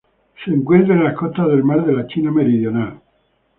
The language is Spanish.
Se encuentra en las costas del mar de la China Meridional.